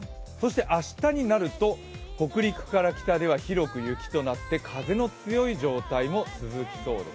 明日になると北陸から北では広く雪となって風の強い状態も続きそうです。